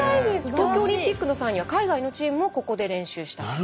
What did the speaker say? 東京オリンピックの際には海外のチームもここで練習したそうです。